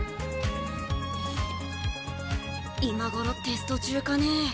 今頃テスト中かねぇ。